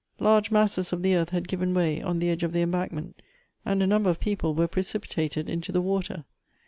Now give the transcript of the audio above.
Large masses of the earth had given way on the edge of the embankment, and a number of people were precipitated into the water.